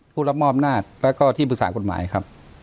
ผู้รับมอบอำนาจแล้วก็ที่ปรึกษากฎหมายครับ